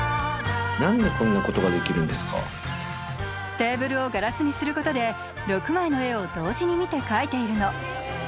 テーブルをガラスにすることで６枚の絵を同時に見て描いているの。